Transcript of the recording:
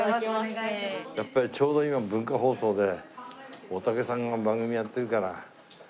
やっぱりちょうど今文化放送で大竹さんが番組やってるから。